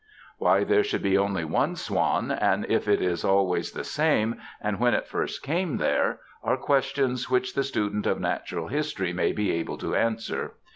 Why there should be only one swan, and if it is always the same, and when it first came there, are questions which the student of natural history may be able to answer.